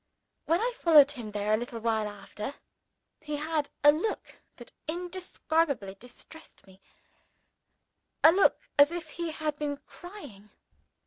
When I followed him there a little while after, he had a look that indescribably distressed me a look as if he had been crying.